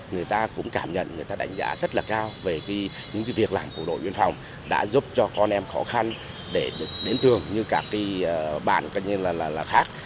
người ta cũng cảm nhận người ta đánh giá rất là cao về những việc làm của bộ đội biên phòng đã giúp cho con em khó khăn để đến trường như các bạn khác